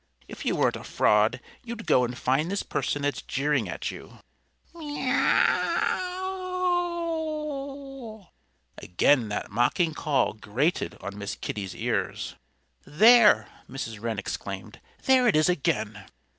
If you weren't a fraud you'd go and find this person that's jeering at you." "Meaow ow ow!" Again that mocking call grated on Miss Kitty's ears. "There!" Mrs. Wren exclaimed. "There it is again.